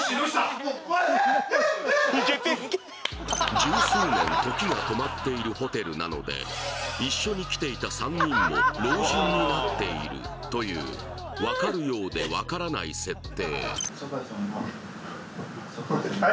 十数年、時が止まっているホテルなので一緒に来ていた３人も老人になっているという、分かるようで分からない設定。